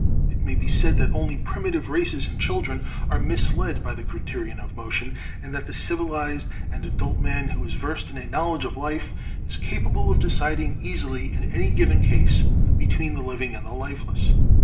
It may be said that only primitive races and children are misled by the criterion of motion, and that the civilized and adult man, who is versed in a knowledge of life, is capable of deciding easily in any given case between the living and the lifeless.